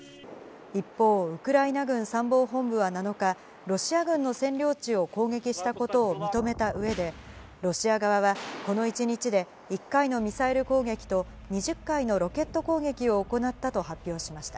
一方、ウクライナ軍参謀本部は７日、ロシア軍の占領地を攻撃したことを認めたうえで、ロシア側はこの１日で１回のミサイル攻撃と２０回のロケット攻撃を行ったと発表しました。